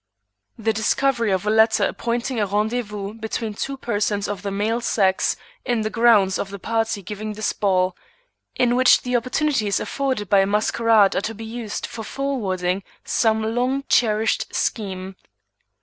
"The discovery of a letter appointing a rendezvous between two persons of the male sex, in the grounds of the party giving this ball, in which the opportunities afforded by a masquerade are to be used for forwarding some long cherished scheme."